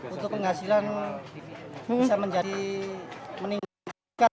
untuk penghasilan bisa menjadi meningkat